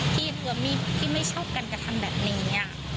ที่ความที่ไม่ชอบการที่จะทำแบบนี้